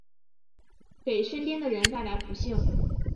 给身边的人带来不幸